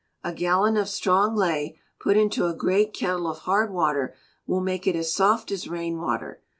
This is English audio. A gallon of strong ley, put into a great kettle of hard water, will make it as soft as rain water.